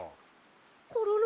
コロロ？